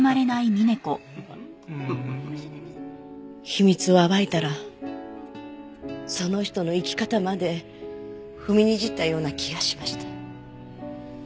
秘密を暴いたらその人の生き方まで踏みにじったような気がしました。